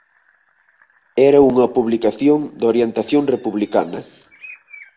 Era unha publicación de orientación republicana.